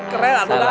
keren lah tuh dang